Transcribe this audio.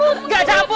nggak ada ampun